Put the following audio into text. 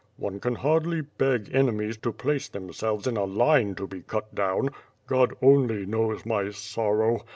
One can hardly beg enemies to place themselves in a line to be cut down. God only knows my sorrow.